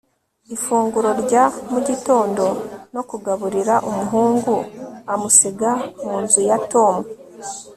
ifunguro rya mu gitondo no kugaburira umuhungu, amusiga mu nzu ya tom